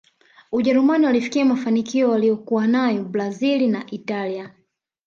ujerumani walifikia mafanikio waliyokuwa nayo brazil na italia